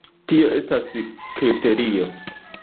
Tio estas kriterio!